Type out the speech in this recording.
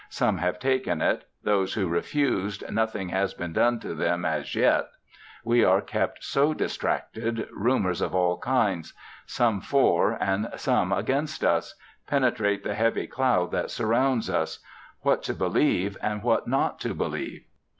Some have taken it; those who refused, nothing has been done to them as yet. We are kept so distracted; rumors of all kinds, some for and some against us, penetrate the heavy cloud that surrounds us. What to believe and what not to believe!